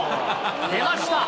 出ました。